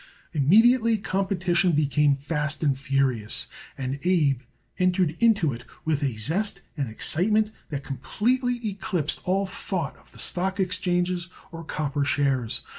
Immediately competition became fast and furious, and Abe entered into it with a zest and excitement that completely eclipsed all thought of stock exchanges or copper shares.